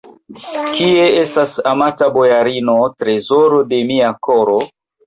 Kie estas amata bojarino, trezoro de mia koro?